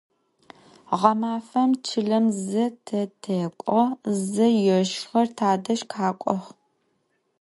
Ğemafem çılem ze te tek'o, ze yêjxer tadej khek'ox.